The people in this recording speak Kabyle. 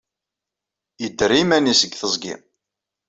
Yedder i yiman-nnes deg teẓgi.